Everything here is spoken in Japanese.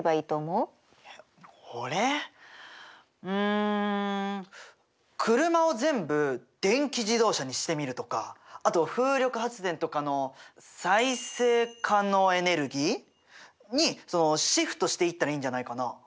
うん車を全部電気自動車にしてみるとかあと風力発電とかの再生可能エネルギー？にシフトしていったらいいんじゃないかな。